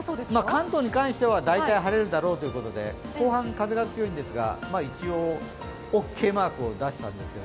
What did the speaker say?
関東に関しては大体晴れるだろうということで、後半は風が強いんですが、一応、オーケーマークを出したんですが。